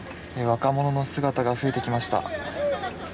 若者の姿が増えてきました。